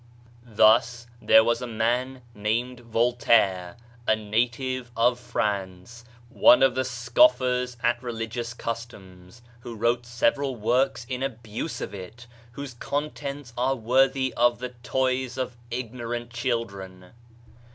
Thus, there was a man named Voltaire, a native of France, one of the scoffers at religious customs, who wrote several works in abuse of it, whose contents are worthy of the toys of ignorant chil dren.